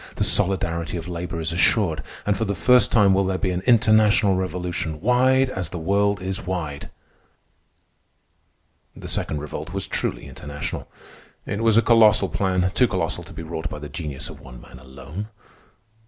The solidarity of labor is assured, and for the first time will there be an international revolution wide as the world is wide. The Second Revolt was truly international. It was a colossal plan—too colossal to be wrought by the genius of one man alone.